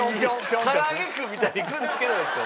「からあげクン」みたいに「くん」つけないんですよ。